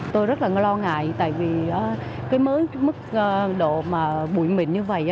tôi rất lo ngại tại vì cái mức độ bụi mịn như vậy